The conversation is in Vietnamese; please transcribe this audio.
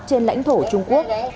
trên lãnh thổ trung quốc